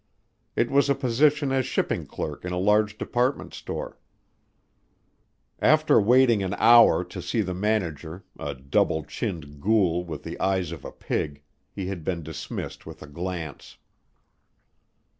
It was a position as shipping clerk in a large department store. After waiting an hour to see the manager, a double chinned ghoul with the eyes of a pig, he had been dismissed with a glance.